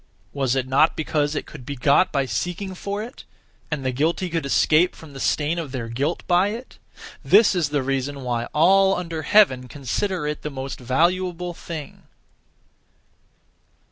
Was it not because it could be got by seeking for it, and the guilty could escape (from the stain of their guilt) by it? This is the reason why all under heaven consider it the most valuable thing.